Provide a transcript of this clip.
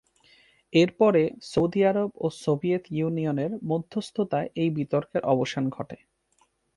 এরপরে, Saudi Arab ও Soviet ইউনিয়নের মধ্যস্থতায় এই বিতর্কের অবসান ঘটে।